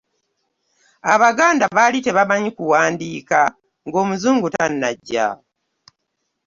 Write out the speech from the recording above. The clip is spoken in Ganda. Abaganda baali tebamanyi kuwandiika ng’Omuzungu tannajja.